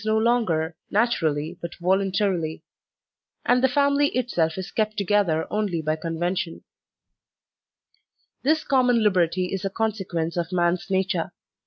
(4) PRIMITIVE SOCIETIES S longer natnrally but volutitarily; and the family itself is kept together only by convention. This common liberty is a consequence of man's nature.